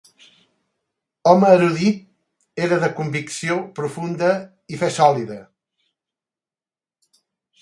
Home erudit, era de convicció profunda i fe sòlida.